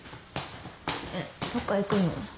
えっどっか行くの？